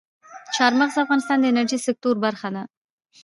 چار مغز د افغانستان د انرژۍ سکتور برخه ده.